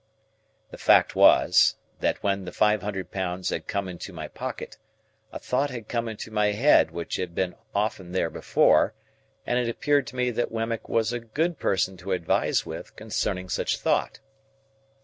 The fact was, that when the five hundred pounds had come into my pocket, a thought had come into my head which had been often there before; and it appeared to me that Wemmick was a good person to advise with concerning such thought.